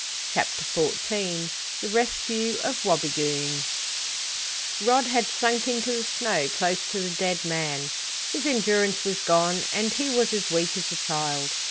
CHAPTER XIV THE RESCUE OF WABIGOON Rod had sunk into the snow close to the dead man. His endurance was gone and he was as weak as a child.